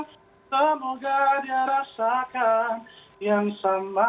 semoga dirasakan yang sama